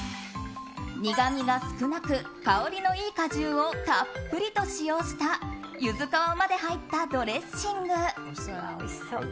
苦みが少なく、香りのいい果汁をたっぷりと使用したユズ皮まで入ったドレッシング。